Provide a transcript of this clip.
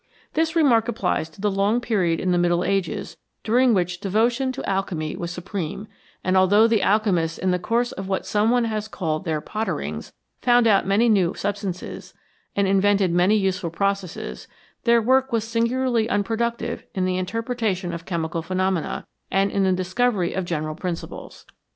This remark applies to the long period in the Middle Ages during which devotion to alchemy was supreme, and although the alchemists in the course of what some one has called their " potterings " found out many new substances, and invented many useful processes, their work w^s singularly unproductive in the interpretation of chemical phenomena, and in the discovery of general principles.